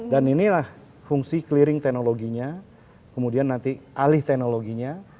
dan inilah fungsi clearing teknologinya kemudian nanti alih teknologinya